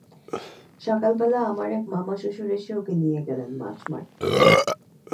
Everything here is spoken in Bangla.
সকালবেলা আমার এক মামাশ্বশুর এসে ওকে নিয়ে গেলেন মাছ মারতে।